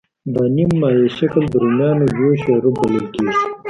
دا نیم مایع شکل د رومیانو جوشه یا روب بلل کېږي.